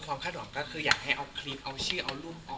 เอารูปไหล่ใช่ไหมคะเหมือนค่ะค่ะเที่ยวข้าเสียหายละคะ